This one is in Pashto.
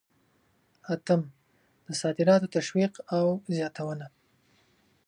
اتم: د صادراتو تشویق او زیاتونه.